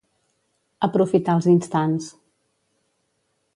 Aprofitar els instants.